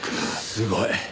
すごい。